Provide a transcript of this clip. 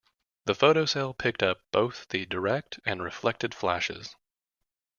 The photocell picked up both the direct and reflected flashes.